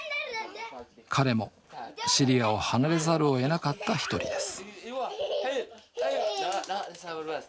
彼もシリアを離れざるをえなかった一人です